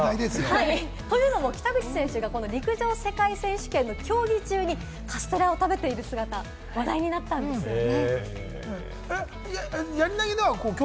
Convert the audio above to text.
というのも北口選手は、陸上世界選手権の競技中にカステラを食べている姿が話題になったんですよね。